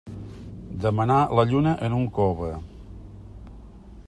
Demanar la lluna en un cove.